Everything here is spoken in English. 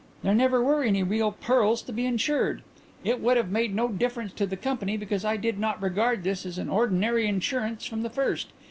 "There never were any real pearls to be insured. It would have made no difference to the company, because I did not regard this as an ordinary insurance from the first.